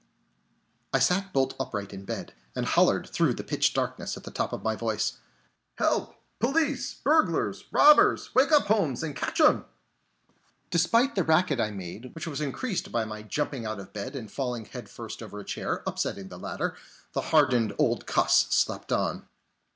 I sat bolt upright in bed, and hollered through the pitch darkness at the top of my voice: "Help! Police! Burglars! Robbers! Wake up, Holmes, and catch 'em!" Despite the racket I made, which was increased by my jumping out of bed and falling head first over a chair, upsetting the latter, the hardened old cuss slept on.